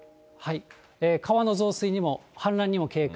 川の増水にも氾濫にも警戒。